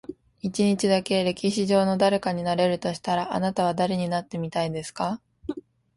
一日だけ、歴史上の誰かになれるとしたら、あなたは誰になってみたいですか？